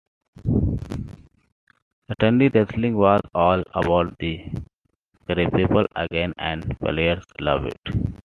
Suddenly, wrestling was all about the grapple again, and players loved it.